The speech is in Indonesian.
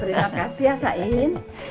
terima kasih ya sain